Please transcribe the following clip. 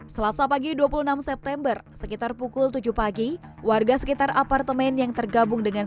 selasa pagi dua puluh enam september sekitar pukul tujuh pagi warga sekitar apartemen yang tergabung dengan